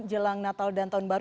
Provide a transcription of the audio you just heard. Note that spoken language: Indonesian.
jelang natal dan tahun baru